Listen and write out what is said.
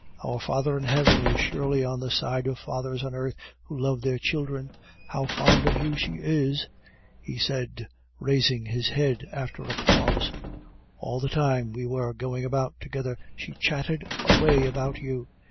Our Father in heaven is surely on the side of fathers on earth who love their children. How fond of you she is!" he said, raising his head after a pause. "All the time we were going about together she chatted away about you.